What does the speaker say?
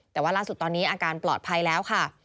แต่ว่าล่าสุดตอนนี้อาการปลอดภัยแล้วค่ะ